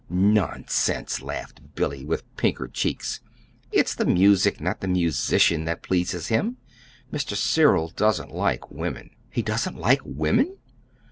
"Nonsense!" laughed Billy, with pinker cheeks. "It's the music, not the musician, that pleases him. Mr. Cyril doesn't like women." "He doesn't like women!"